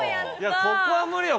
ここは無理よ